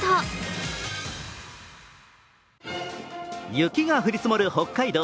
雪が降り積もる北海道。